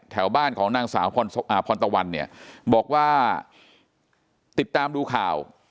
แถวบ้านของนางสาวพรตะวันเนี่ยบอกว่าติดตามดูข่าว